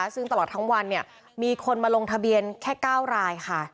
ซึ่งตลอดทั้งวันมีคนมาลงทะเบียนแค่๙รายค่ะ